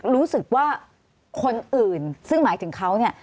รู้สึกว่าคนอื่นซึ่งหมายถึงเขาเนี่ย